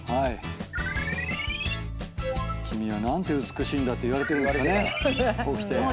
「君は何て美しいんだ」って言われてるんですかね起きて。